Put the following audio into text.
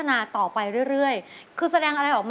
อายลูกไหม